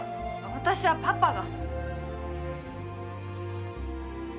私はパパが。